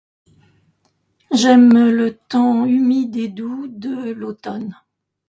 J'aime le temps humide et doux de l'automne.